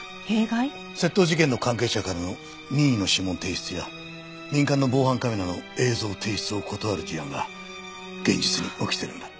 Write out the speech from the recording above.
窃盗事件の関係者からの任意の指紋提出や民間の防犯カメラの映像提出を断る事案が現実に起きてるんだ。